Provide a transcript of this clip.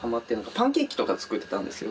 パンケーキとか作ってたんですよ。